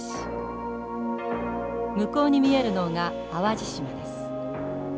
向こうに見えるのが淡路島です。